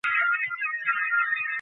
তিনি Bengal civil সার্ভিসে নিয়োগ পান।